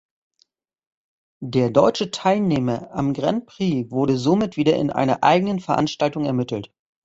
Der deutsche Teilnehmer am Grand Prix wurde somit wieder in einer eigenen Veranstaltung ermittelt.